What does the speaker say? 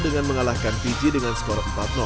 dengan mengalahkan fiji dengan skor empat